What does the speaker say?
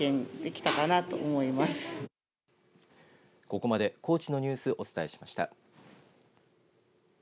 ここまで高知のニュースお伝えしました。